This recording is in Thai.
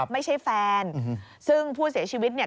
ไม่ใช่แฟนซึ่งผู้เสียชีวิตเนี่ย